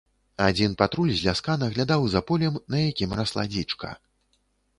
Адзін патруль з ляска наглядаў за полем, на якім расла дзічка.